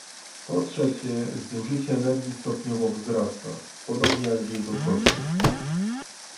Po trzecie, zużycie energii stopniowo wzrasta, podobnie jak jego koszty